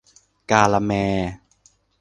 กาละแมร์